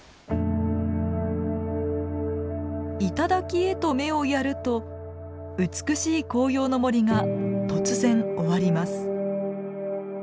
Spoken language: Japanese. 頂へと目をやると美しい紅葉の森が突然終わります。